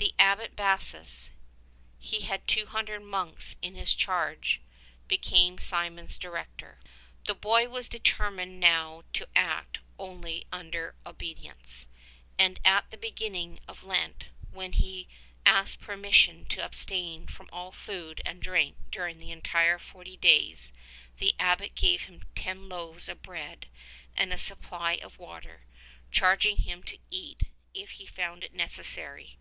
The Abbot Bassus — he had two hundred monks in his charge — became Simeon's director. 154 The boy was determined now to act only under obedience, and at the beginning of Lent when he asked permission to abstain from all food and drink during the entire forty days, the Abbot gave him ten loaves of bread and a supply of water, charging him to eat if he found it necessary.